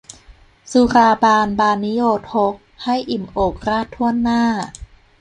สุราบานบานิโยทก ให้อิ่มอกราษฎร์ถ้วนหน้า